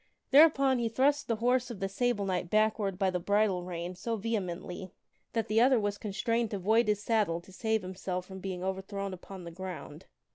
Thereupon he thrust the horse of the Sable Knight backward by the bridle rein so vehemently, that the other was constrained to void his saddle to save himself from being overthrown upon the ground.